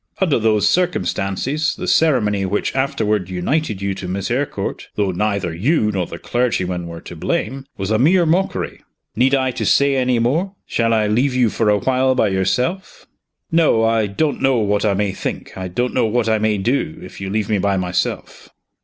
Under those circumstances, the ceremony which afterward united you to Miss Eyrecourt though neither you nor the clergyman were to blame was a mere mockery. Need I to say any more? Shall I leave you for a while by yourself?" "No! I don't know what I may think, I don't know what I may do, if you leave me by myself."